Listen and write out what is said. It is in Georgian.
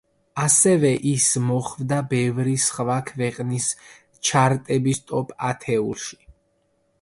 ასევე ის მოხვდა ბევრი სხვა ქვეყნის ჩარტების ტოპ ათეულში.